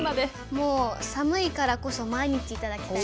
もう寒いからこそ毎日頂きたいです。